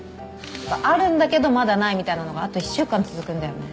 あるんだけどまだないみたいなのがあと１週間続くんだよね